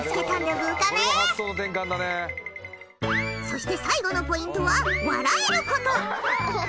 そして最後のポイントは笑えること。